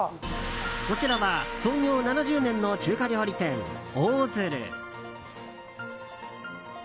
こちらは創業７０年の中華料理店、王鶴。